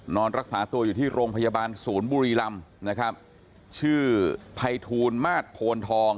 นอนรักษาตัวอยู่ที่โรงพยาบาลศูนย์บุรีลำนะครับชื่อภัยทูลมาสโพนทอง